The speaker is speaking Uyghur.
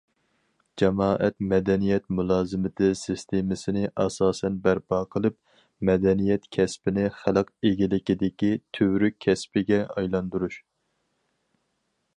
جامائەت مەدەنىيەت مۇلازىمىتى سىستېمىسىنى ئاساسەن بەرپا قىلىپ، مەدەنىيەت كەسپىنى خەلق ئىگىلىكىدىكى تۈۋرۈك كەسپىگە ئايلاندۇرۇش.